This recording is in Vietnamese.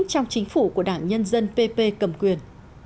trong chính phủ của đảng nhân dân ppp cầm quyền